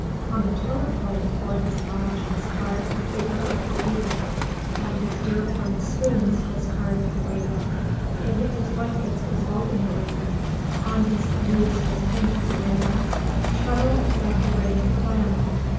On the totem pole before his lodge was carved the figure of the raven, on his deerhom spoons was carved the raven, into his blankets was woven the raven, on his canoes was painted the raven. ''Chet'l is of the raven clan.